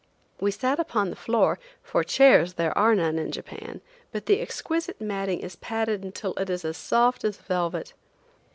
We sat upon the floor, for chairs there are none in Japan, but the exquisite matting is padded until it is as soft as velvet.